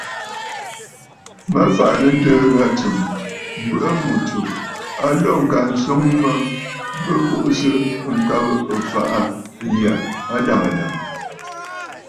Mə fàʼà nɨ̂ ǹtɨɨ̀ ghâ tsɨm, mbɨ̀ʼɨ̀ ŋù tsù a lǒ ŋka swoŋ mə bɨ kuʼusə ŋkabə̀ ɨfàʼà ghaa adàŋə̀ dàŋə̀.